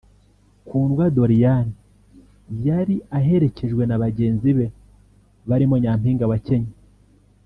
Kundwa Doriane yari aherekejwe na bagenzi be barimo Nyampinga wa Kenya